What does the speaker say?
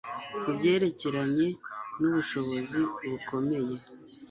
ku byerekeranye n’ubushobozi bukomeye